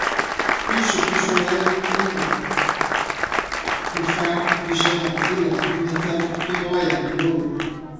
picho, pichulé, pico, pifar, pijama, pila, pimentão, pinóia, lôgro